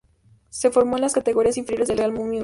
Se formó en las categorías inferiores del Real Murcia.